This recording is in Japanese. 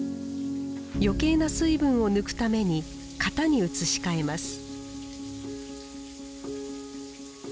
余計な水分を抜くために型に移し替えます